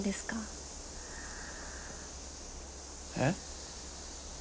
えっ？